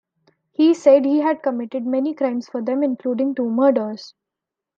He said he had committed many crimes for them, including two murders.